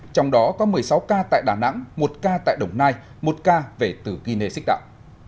trong đó có một mươi sáu ca tại đà nẵng một ca tại đồng nai một ca về từ guinea xích đạo